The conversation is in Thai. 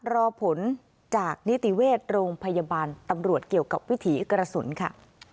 รอผลจากนิติเวชโรงพยาบาลตำรวจเกี่ยวกับวิถีกระสุนค่ะ